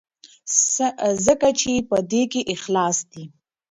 ځکه چې په دې کې اخلاص دی.